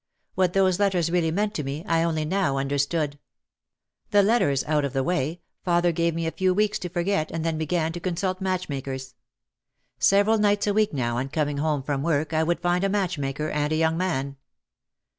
What those let ters really meant to me I only now understood. The letters out of the way, father gave me a few weeks to forget and then began to consult matchmakers. Several nights a week now on coming home from work I would find a matchmaker and a young man.